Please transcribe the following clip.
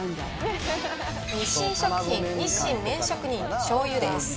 日清食品、日清麺職人醤油です。